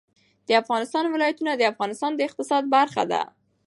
د افغانستان ولايتونه د افغانستان د اقتصاد برخه ده.